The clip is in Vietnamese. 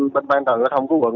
bên bàn tàu gửi thông của quận